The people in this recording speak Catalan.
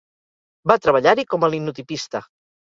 Va treballar-hi com a linotipista.